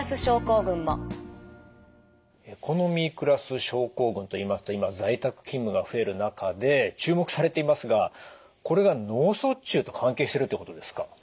エコノミークラス症候群といいますと今在宅勤務が増える中で注目されていますがこれが脳卒中と関係してるってことですか？